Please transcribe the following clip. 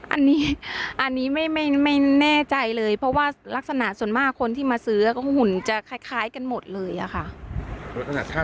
อันนี้อันนี้ไม่แน่ใจเลยเพราะว่ารักษณะส่วนมากคนที่มาซื้อก็หุ่นจะคล้ายกันหมดเลยอะค่ะ